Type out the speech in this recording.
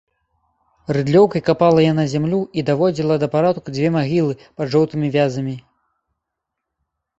Рыдлёўкай капала яна зямлю і даводзіла да парадку дзве магілы пад жоўтымі вязамі.